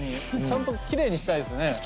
ちゃんときれいにしたいですね。